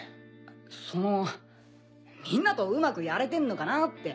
そのみんなとうまくやれてんのかなって。